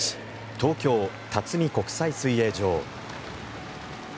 東京辰巳国際水泳場。